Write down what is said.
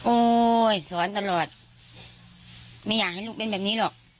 สอนตลอดไม่อยากให้ลูกเป็นแบบนี้หรอก